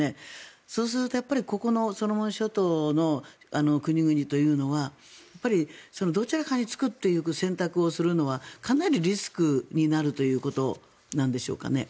そうするとここのソロモン諸島の国々というのはどちらかにつくという選択をするのはかなりリスクになるということなんでしょうか。